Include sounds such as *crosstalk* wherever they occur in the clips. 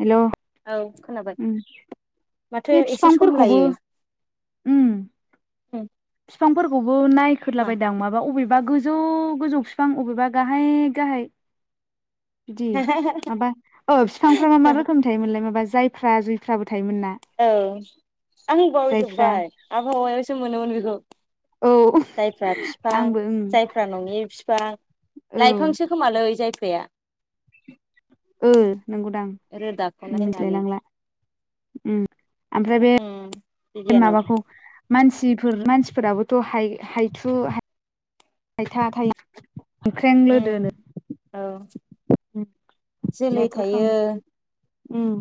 हेल' उम औ खोनाबाय माथो बे एसे सम बिफांफोरखौबो लायो। *inaudible* उम बिफांफोरखौबो मा नायख्रलाबायदां माबा अबे बा गोजौ गोजौ बिफां बबेबा गाहाय गाहाय इदि ओमफाय ओ बिफांफ्रा मा मा रोखोमनि थायोमोनलाय माबा जायफ्रा जुफ्राबो औ आं बाव जायफ्रा जोब्बाय आबहावायावसो मोनोमोन बेखौ औ जायफ्रा बिफां आंबो ओं जायफ्रा नंङि बिफां औ लाइफांसो खोमालै *unintelligible* ओ नंगौदां रोदाखौ मिथिलाय नायनानै लांला उम ओमफ्राय बे उम माबाखौ *unintelligible* मानसिफोर मानसिफोराबोथय हाय-हाय हायथु हायथा थायो ना हामख्रें उम लोदोनो औ जोलै अनेक थायो रोखोमनि उम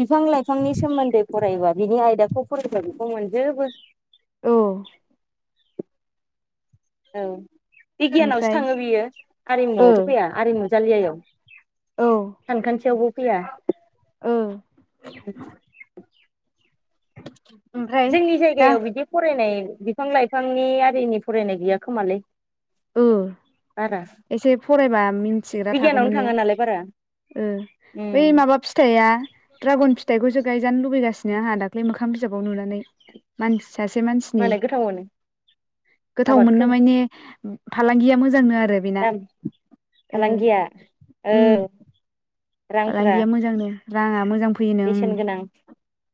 बिफां लाइफांनि सोमोन्दै फरायोबा बिनि आयदाखौ फरायोंबा बेखौ मोनजोबो औ औ बिगियानावसो ओमफ्राय थाङो बियो ओ आरिमुआवथ फैया आरिमु जालियायाव औ ओ सानखान्थियावबो फैया *unintelligible* जोंनि दा जायगायाव बिदि फरायनाय बिफां लाइफांनि आरिनि फरायनाय गैया खोमालै उम बारा एसे फरायबा मिथिग्रा बिगियानावनो थागौमोन ने थाङा नालाय बारा ओ बै उम माबा फिथाइआ द्रागन फ थखौसो गायजानो लुबैगासिनो आंहा दाख्लै मोखां बिजाबाव नुनानै मानसि सासे मानसिनि मालाय गोथाव मोनो गोथाव मोननो आबादखौ माने फालांगिया मोजांनो आरो बेना दाम फालांगिया औ रांफ्रा फालांगिया मोजांनो राङा मोजां फैयोनो उम बेसेन गोनां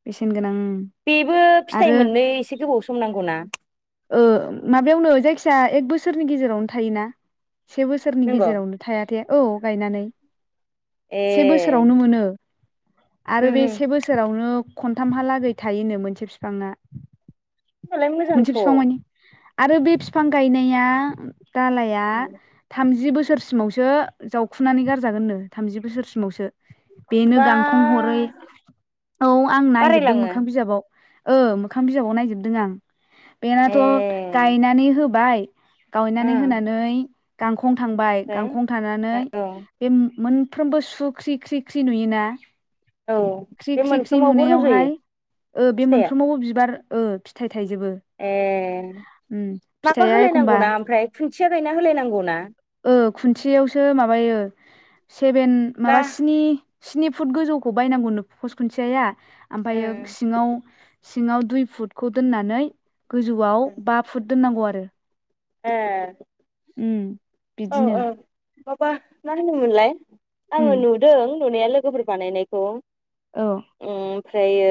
बेसेन गोनां ओम बेबो फिथाइ मोननो एसे गोबाव सम नांगौना? ओ माबायावनो जायखिया एक बोसोरनि गेजेरावनो थायोना से बोसोरनि नंगौ गेजेरावनो थायाथे औ गायनानै ए से बोसोरावनो मोनो आरो बे उम से बोसोरावनो खनथामहालागै थायोनो मोनसे बिफांङा ओमबालाय मोजांथ बिफां आरो बे बिफां गायनाया दालाया थामजि बोसो बोसोरसिमावसो जावखुनानै गारजागोननो थामजि बोसोरसिमावसो बेनो बा गांखं हरै औ आं नायजोबदों बारायलाङो मोखां बिजाबाव ओ मोखां बिजाबाव नायजोबदों आं बेनाथ ए गायनानै होबाय गायनानै ओम होनानै गांखं थांबाय ओमफ्राय गांखं थानानै औ बे मोन फ्रोमबो सु ख्रि ख्रि ख्रि नुयोना। औ ख्रि बे ख्रि ख्रि मोनफ्रोमावबो रज'यो नुनायावहाय ओ बे मो फिथाइया ओ फिथाइ थाइजोबो ए उम माबा फिथाइआ एखमबा होलायनांगौनाा ओमफ्राय खुन्थिया गायना होलायनांगौ ना ओ खुन्सेयावसो माबायो सेभेन गा माबा स्नि स्नि फुट गोजौखौ बायनांगौनो पस खुन्थियाया ओमफ्रायो सिङाव सिङाव दुइ फुटखौ दोननानै गोजौआव बा फुट दोननांगौ आरो ए उम औ बिदिनो औ माबा मा होनोमोनलाय उम आङो नुदों नुनाया लोगोफोर बानायनायखौ औ ओमफ्रायो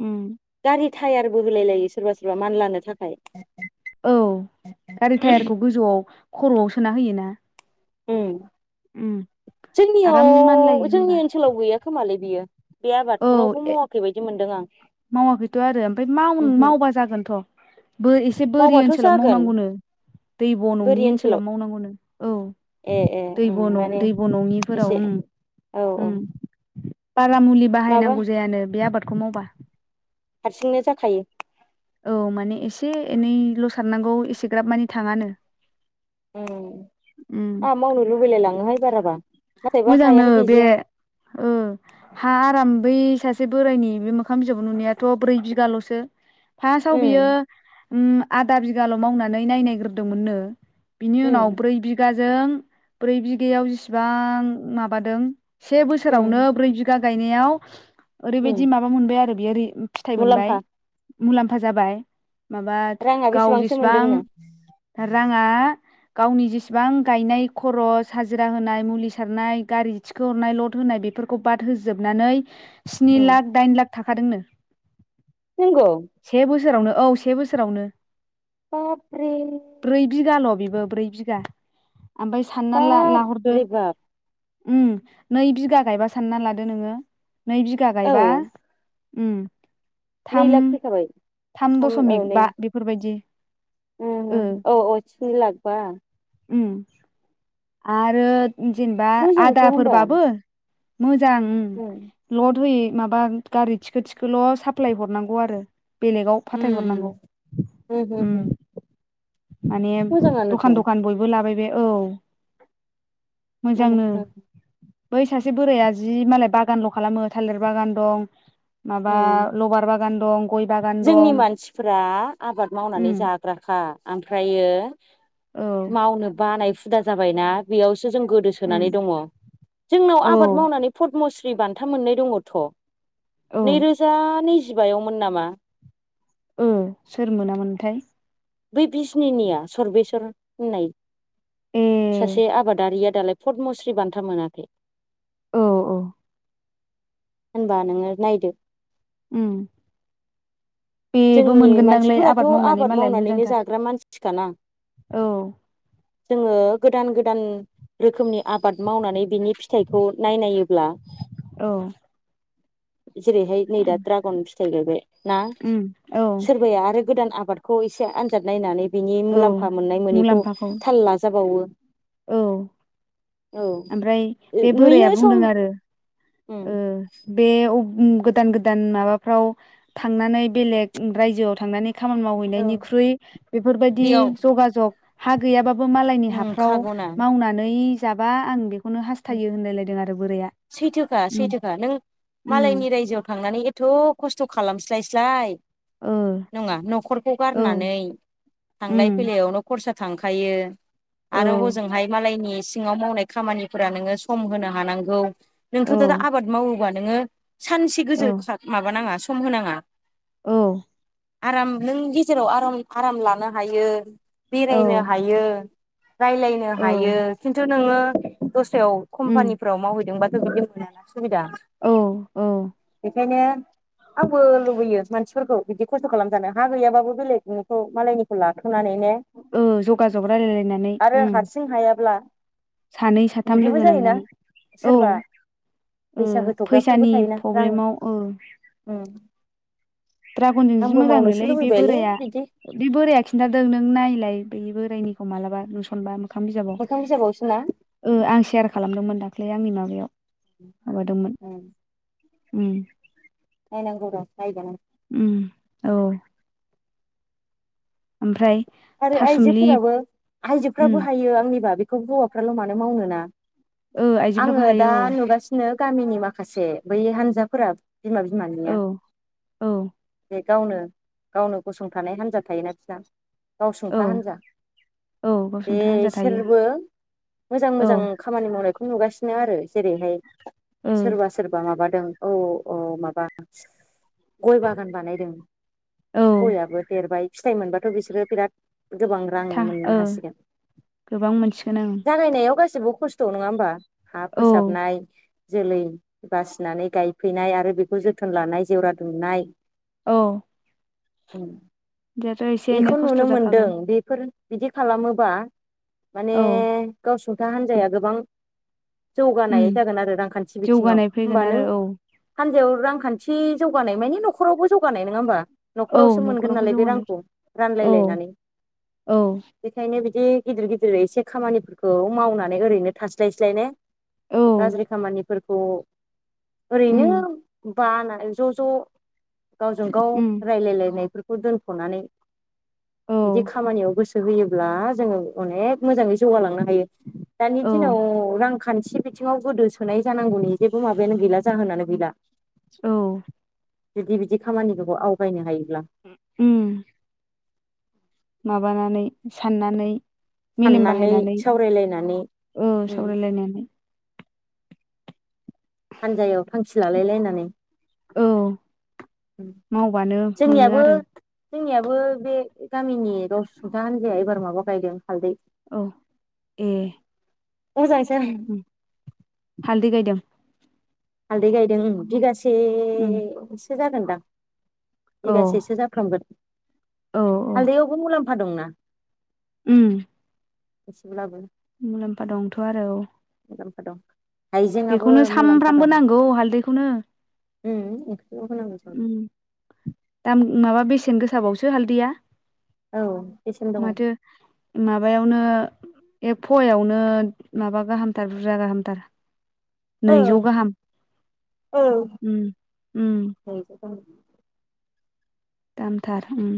उम गारि थायारबो होलाय लायो सोरबा सोरबा मान लानो थाख औ गारि टायारखौ गोजौआव खर'आव सोना होयो ना ओं आराम मानलायो जोंनियाव होमबा जोंनि ओनसोलाव गैया खोमालाय बियो। बे औ आबादखौ रावबो ए मावाखै बायदि मोनदों आं मावाखैथ' आरो ओमफ्राय माव ओहो मावबा जागोनथ' बो एसे बोरि ओनसोलाव मावनांगौनो दै ब' नङि ओनसोलाव मावनांगौनो औ ए ए उम दैब' न माने दैब' नङिफोराव एसे उम औ औ उम बारा मुलि माबा बाहायनांगौ जायानो बे आबादखौ मावबा हारसिंनो जाखायो औ माने एसे एनैल' सारनांगौ एसेग्राब मानि थांङानो ओं आंहा मावनो लुबैलाय लाङोहाय बाराबा नाथायबा मोजांनो हायानो बे गैजाया ओ हा आराम बै सासे बोराइनि बे मोखां बिजाब नुनायाथ' ब्रै बिगाल'सो फास्तआव उम बियो उम आदा बिगाल' मावनानै नायनायग्रोदोंमोननो बिनि उम उनाव ब्रै बिगाजों ब्रै बिगायाव जिसिबां माबादों से बोसोरावनो उम ब्रै बिगा गायनायाव उम ओरैबायदि माबा मोनबाय आरो बियो रि फिथाइ मोनबाय मुलाम्फा मुलाम्फा जाबाय माबा राङा गाव बेसेबांसो जेसेबां मोनदोंनो राङा गावनि जेसेबां गायनाय खर'स हाजिरा होनाय मुलि सारनाय गारि थिखोहरनाय लड होनाय बेफोरखौ बाद होजोबनानै स्नि उम लाख दाइन लाख थाखादोंनो नंगौ से बोसोरावनो औ से बोसोरावनो बाप्रे ब्रै बिगाल' ब्रै बिघा ओमफ्राय सानना लाहरदो बाबरे बाब उम नै बिगा गायबा सानना लादो नोङो नै बिगा औ गायबा उम नै थाम लाख फैखाबाय थाम औ दसमिक नै बा बेफोरबायदि ओ औ औ सनि लागबा *inaudible* उम आरो जेनेबा मोजांथ' होमबा आदाफोरबाबो मो मोजां उम लद होयै माबा गारि थिखो थिखोल' साप्लाय हरनांगौ आरो बेलेगाव फाथायहरनांगौ उम हो उम हो माने मोजाङानोथ' दखान दखान बयबो लाबाय बे औ मोजांनो *inaudible* बै सासे बोराइआ जि मालाय बागानल' खालामो थालिर बागान दं माबा उम लबार बाग बागान दं गय बागान जोंनि दं मानसिफोरा आबाद मावनानै उम जाग्राखा ओमफ्रायो औ मावनो बानाय हुदा जाबायना बेयावसो जों उम गोदोसोनानै दङ जोंनाव औ आबाद मावनानै फदमस्रि बान्था मोननाय दङथ' औ नैरोजा नैजिबायावमोन नामा। औ सोर मोनामोनथाय। बै बिजिनिनिया सरबेस्वर होननाय ए सासे आबादारिया। दालाय फदमस्रि बान्था मोनाखै। औ औ। होनबा नोङो नायदो उम। बेबो जोंनि मोनगोनदांलै मानसिफोराथ' आबाद मावनानै मालाय मावनानैनो मोजांथार। जाग्रा मानसिखाना औ। जोङो गोदान गोदान रोखोमनि आबाद मावनानै बिनि फिथाइखौ नायनायोब्ला औ जेरैहाय नै दा ड्रागन फिथाइ गायबाय ना उम औ सोरबाया बे गोदान आबादखौ एसे आनजाद नायनानै बिनि औ मुलाम्फा मोननाय मोनैखौ मुलाम्फाखौ थाल लाजाबावो। औ औ ओमफ्राय बे बोराया नुयो सम बुंदों आरो। उम ओ बे गोदान गोदान माबाफ्राव थांनानै बेलेग रायजोआव थांनानै खामानि औ मावहैनायनिख्रुइ बेफोर बायदि बेयाव जगा जग हा गैया बाबो बो मालायनि हाफ्राव नोंखागौना मावनानै जाबा आं बेखौनो हास्थायो होनलायलायदों आरो बोराइया। सैथोखा सैथोखा नों मालायनि रायजोआव थांनानै एथ' खस्थ' खालामस्लाय स्लाय ओ नङा न'खरखौ औ गारनानै थांलाय उम फैलायावनो खरसा थांखायो औ आरो हजोंहाय मालायनि सिङाव मावनाय खामानिफोरा नोङो सम होनो हानांगौ औ नोंथ' दा आबाद मावोबा नोङो सानसे औ गोजौ माबानाङा सम होनाङा औ। आराम नों गेजेराव आराम आराम लानो हायो औ बेरायनो हायो। रायलायनो हायो औ खिन्थु नोङो दस्रायाव उम कम्पानिफोराव मावहैदोंबाथ' बिदि मोनाना। औ औ। ओंखायनो आंबो लुबैयो मानसिफोरखौ बिदि खस्थ' खालामजानो हा गैयाबाबो बेलेग नखौ मालायनिखौ लागोन। नानैनो ओ जगाजग रायलायलायनानै आरो उम हारसिं हायाब्ला सानै साथाम बिदिबो लोगो जायोना नांनानै औ सोरबा ओ फैसा होथ'ग्राफोरबो फैसानि थायोना रां प्रब्लेमाव ओ उम ड्रागनजों जि आंबो मोजांनोलै मावनोसो बे लुबैबायलै बोराया बिदि बे बोराइाया खिन्थादों नों नायलाय बे बोरायनि खौ मालाबा नुसनबा मोखां बिजाबाव मोखां बिजाबावसोना ओ आं सेयार खालामदोंमोन दां दाख्लै आंनि माबायाव माबादोंमोन उम। उम। नायनां गौ र' नायगोन आं। उम औ। ओमफ्राय आरो थासुमलि आइजोफोराबो उम आइजोफ्राबो हायो आंनिबा बेखौ हौवाफ्राल' मानो मावनो ना ओ आइजोफ्राबो आङो दा हायो नुगासिनो गामिनि माखासे बै हान्जाफोरा बिमा बिमा औ निया औ ए गावनो गावनो गसंथानाय हान्जा थायोना बिसिना‌ गाव औ सुंथा हान्जा। औ बे गावसुंथा हान्जा थायो इसोरबो मोजां औ मोजां खामानि मावनायखौ नुगासिनो आरो जेरैहाय ओ सोरबा सोरबा माबा दों औ औ औ माबा गय बागान बानायदों औ गययाबो देरबाय फिथाइ मोनबाथ' बिसोरो बिराद गोबां रां था मोननो ओ हासिगोन गोबां मोनसिगोन जागायनायाव गासै बो खस्थ' नङा होमबा हा ओं फोसाबनाय। जोलै बासिनानै गायफैनाय आरो बेखौ जोथोन लानाय जेवरा दुमनाय औ उम दाथ' एसे एनै बेखौ खस्थ' नुनो मोनदों जाखागोन बेफोर बिदि खालामोबा माने औ गाव सुंथा हान्जाया गोबां उम जौगानाय जागोन आरो रांखान्थि बिथिङाव जौगानाय फैगोन होमबा आरो नों औ हानजायाव रांखान्थि जौगानाय मानि न'खरावबो जौगानाय नङा होमबा औ न'खरावसो मोनगोन न'खरावबो नालाय बे जौगानाय रांखौ औ रानलायलायनानै औ बेखायनो बिदि गिदिर गिदिर एसे खामानिफोरखौ मावनानै ओरैनो थास्लायस्लाय ने औ गाज्रि खामानिफोरखौ ओरैनो उम बा ज' ज' गावजों गाव उम रायलायलायनायफोरखौ दोनथ'नानै औ बिदि खामानियाव गोसो होयोब्ला जोङो अनेख मोजाङै जौगालांनो हायो। दानि औ दिनाव रां खान्थि बिथिङाव गोदो सोनाय जानांगौनि जेबो माबायानो गैला जाहोनानो गैला। औ बिदि बिदि खामानिखौफोरखौ आवगायनो हायो। होम माबानानै साननानै मेलेम साननानै बाहायनानै सावरायलायनानै औ उम सावरायलायनानै हानजायाव थांखि लालाय लायनानै औ मावबानो मोनो जोंनियाबो आरो जोंनियाबो बे गामिनि राव सुंथा हान्जाया एबार माबा गायदों हालदै औ ए मोजांसो हालदै गायदों हालदै गायदों उम बिगासेसो जागोनदां। औ बिगासेसो जाफ्रामगोन औ औ हालदैआवबो मुलाम्फा दंना। उम एसेब्लाबो मुलाम्फा दंथ' आरो मुलाम्फा दं हाइजेंआबो बेखौनो मुलाम्फा सामफ्रामबो दं नांगौ हालदैखौनो उम *inaudible* उम दाम माबा बेसेन ‌गोसाबावसो हालदैया औ बेसेन दङ माथो माबायाव नो एक पवायावनो माबा गाहामथार बुरजा गाहामथार। औ नैजौ गाहाम औ ओम ओम- *inaudible* दामथार ओम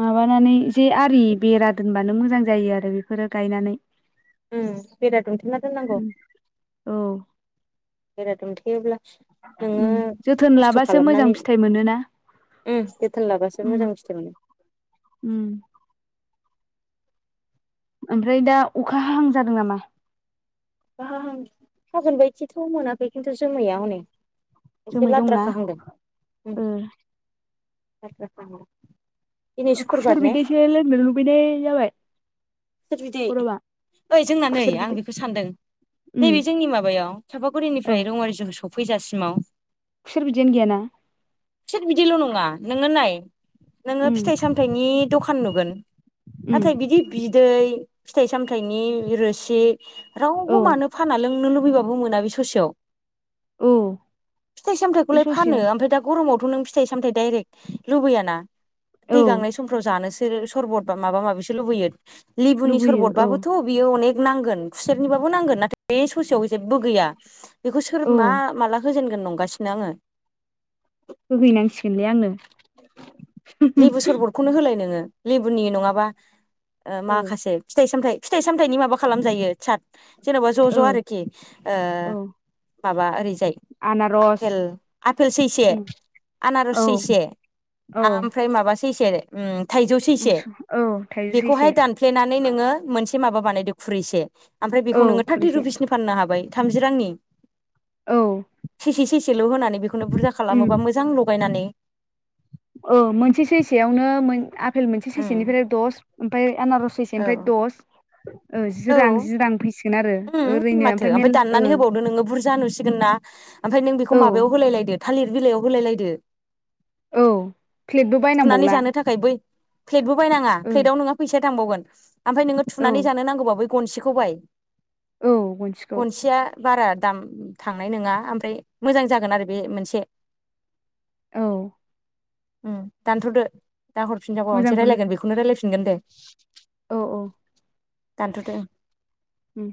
माबानानै जे आरि बेरा दोनबानो मोजां जायो आरो बेफोरो गायनानै उम बेरा दुमथेना दोननांगौ। उम औ बेेरा दोमथेयोब्ला ओम जोथोन लाबासो मोजां फिथाइ मोनोना। ओम जोथोन लाबासो उम मोजां फिथाइ मोनो। उम ओमफ्राय दा अखा हाहां जादों नामा? गाह हागोन बायदिथ' मोनाखै खिन्थु जोमैया हनै एसे जोमै दंना लाद्राखाहांदों ओ लाद्राखाहां खुसेर बिदैसो लोंनो लुबैनाय जाबाय। सोर बिदि गरमआ ओइ जोंना नै खुसेर आं बिदै बेखौ सानदों उम नैबे जोंनि माबायाव औ चापागुरिनिफ्राय रौमारिसिम सफ फैसासिमाव बिदैयानो गैयाना खुसेर बिदैल' नङा नोनो नाय नोङो उम फिथाइ सामथायाइनि दखान नुगोन उम नाथाय बिदि बि बिदै फिथाइ सामथनि रोसि रावबो औ मानो फाना लोंनो लु बैबाबो मोना बै ससेयाव औ फिथाय बे सामथायखौलाय फानो ससेयाव ओमफ्राय दा गरमाव नों फिथाइ सामथाइ दडाइरेक्ट लुबैयाना दै औ गांनाय समफ्राव जानोसो सरबत बा माबा माबिसो लुबैयो लेबुनि लुबैयो औ सरबतबाबोथ' बियो अनेक नांगोन खुसेरनिबाबो नांगोन नाथाय बे ससेयाव जेबो गैया बेखौ सोर औ मा माला होजेन गोन नंगासिनो आङो होहैनांसिगोनलै आंनो लेबु सरबतखौनो होलाय नोङो लेबुनि नङाबा ओ माखासे फिथाइ सामथाय फिथाइ सामथायाइनि माबा खालामजायो साद जेन'बा ज' ज' आरोखि ओ औ माबा ओरैजाय आनारस आपेल आपेल सैसे आनारस औ सैसे औ ओमफ्राय माबा सैसे उम थाइजौ सैसे मुसु औ थाइजौ बेखौहाय सैसे दानफ्लेनानै नोङो मोन से माबा बानायदो खुरैसे ओमफ्राय औ बेखौ नोङो थार्टि खुरैसे रुपिसनि फाननो हाबाय थामजि रांनि औ सैसे सैसेल' होनानै बेखौनो बुरजा खालामोबा उम मोजां लगायनानै औ मोनसे सैसेयावनो आफपेल मोनसे उम सैसेनिफ्राय दस ओमफ्राय आनारस सैसे औ ओमफ्राय दस ओ जि रां औ जि रां फैसिगोन आरो ओरै उम माथो ओमफ्राय दाननानै होबावदो नोङो बुरजा नुसिगोन ना ओमफ्राय नों बेखौ औ माबायाव होलायलायदो थालिर बिलाइयाव होलाय लायदो औ प्लेटबो थुनानै बायनांबावला जानो थाखाय बै प्लेटबो बायनाङा ओ प्लेटआव नोंहा फैसा थांबावगोन आमफ्राय नोङो औ थुनानै जानो नांगौबा बै गनसेखौ बाय औ गनसिखौ गनसेया बारा दाम थांनाय नङा ओमफ्राय मोजां जागोन आरो बे मोनसे औ उम दानथ'दो दा हरफिनबा माबा मोनसे मोजांखौनो रायलायगोन बेखौनो रायलायफिनगोन दे औ औ दान्थदो ओं उम